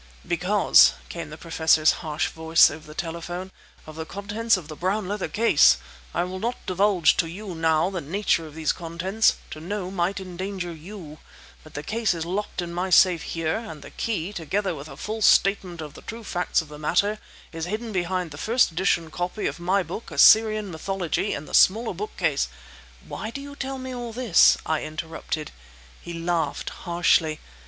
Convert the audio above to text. "Because," came the Professor's harsh voice over the telephone, "of the contents of the brown leather case! I will not divulge to you now the nature of these contents; to know might endanger you. But the case is locked in my safe here, and the key, together with a full statement of the true facts of the matter, is hidden behind the first edition copy of my book 'Assyrian Mythology,' in the smaller bookcase—" "Why do you tell me all this?" I interrupted. He laughed harshly.